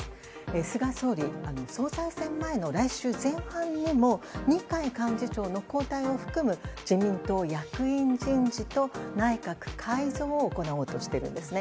菅総理、総裁選前の来週前半にも二階幹事長の交代を含む自民党役員人事と内閣改造を行おうとしているんですね。